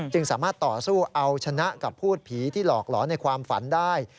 สามารถต่อสู้เอาชนะกับพูดผีที่หลอกหลอนในความฝันได้